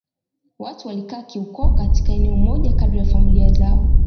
Watu walikaa kiukoo katika eneo moja kadri ya familia zao